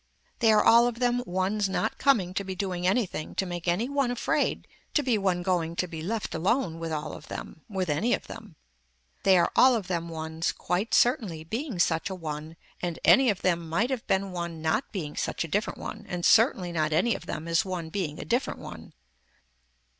They are all of them ones not coming to be doing anything to make any one afraid to be one going to be left alone with all of them, with any of them. They are all of them ones quite certainly being such a one and any of them might have been one not being such a different one and certainly not any of them is one being a different one.